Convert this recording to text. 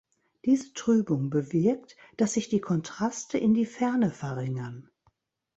Diese Trübung bewirkt, dass sich die Kontraste in die Ferne verringern.